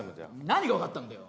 何が分かったんだよ。